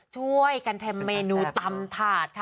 ช่วยกันทำเมนูตำถาดค่ะ